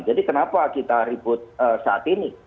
jadi kenapa kita ribut saat ini